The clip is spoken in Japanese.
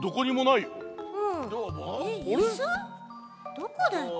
どこだち？